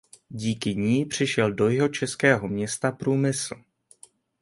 Díky ní přišel do jihočeského města průmysl.